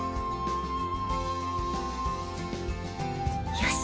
よし。